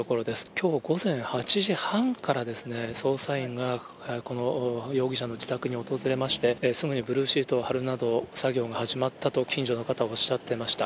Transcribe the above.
きょう午前８時半からですね、捜査員がこの容疑者の自宅に訪れまして、すぐにブルーシートを張るなど作業が始まったと近所の方、おっしゃってました。